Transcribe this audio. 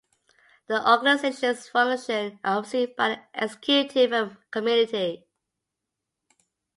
The organisation's functions are overseen by an Executive and Committee.